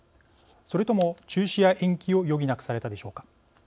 それとも中止や延期を余儀なくされたでしょうか。